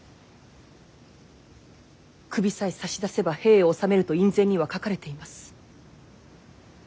首さえ差し出せば兵を収めると院宣には書かれています。